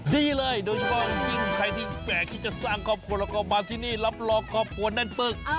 ดีเลยโดยเฉพาะอย่างยิ่งใครที่แปลกที่จะสร้างครอบครัวแล้วก็มาที่นี่รับรองครอบครัวแน่นปึก